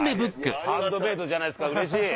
ハンドメードじゃないですかうれしい。